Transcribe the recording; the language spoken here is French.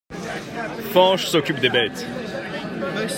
Fañch s’occupe des bêtes.